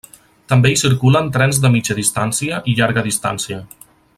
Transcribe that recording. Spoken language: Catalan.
També hi circulen trens de mitjana distància i llarga distància.